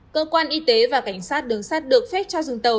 cơ quan y tế và cảnh sát đường sắt được phép cho dừng tàu